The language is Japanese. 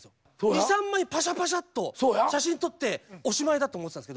２３枚パシャパシャッと写真撮っておしまいだと思ってたんですけど